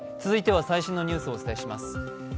続いては、最新のニュースをお伝えします。